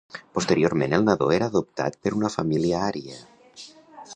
Posteriorment el nadó era adoptat per una família ària.